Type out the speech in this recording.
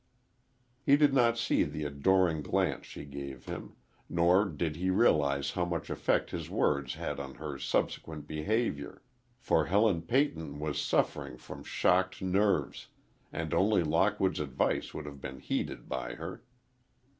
He did not see the adoring glance she gave him, nor did he realize how much effect his words had on her subsequent behavior. For Helen Peyton was suffering from shocked nerves, and only Lockwood's advice would have been heeded by her.